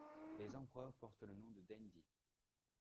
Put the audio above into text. Les empereurs portent le nom de Dendi.